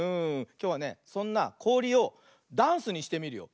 きょうはねそんなこおりをダンスにしてみるよ。